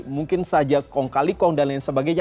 mungkin saja kong kali kong dan lain sebagainya